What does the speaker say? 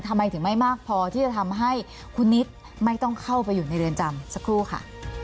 ทำไมถึงไม่มากพอที่จะทำให้คุณนิดไม่ต้องเข้าไปอยู่ในเรือนจำสักครู่ค่ะ